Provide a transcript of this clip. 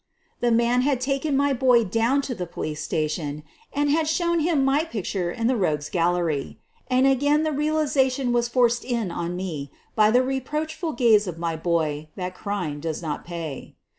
The man had taken my boy down to the police station and had shown him my picture in the rogues ' gallery. And again the realization was forced in on me by the reproachful gaze of my boy that crime does not pay.